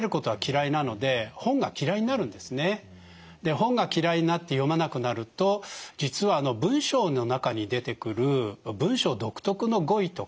本が嫌いになって読まなくなると実は文章の中に出てくる文章独特の語彙とか漢字